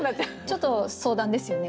ちょっと相談ですよね。